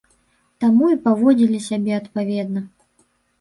Таму і паводзілі сябе адпаведна.